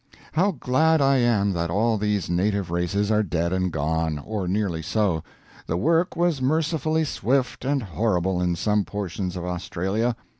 How glad I am that all these native races are dead and gone, or nearly so. The work was mercifully swift and horrible in some portions of Australia.